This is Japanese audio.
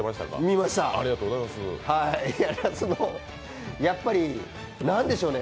見ました、やっぱり何でしょうね。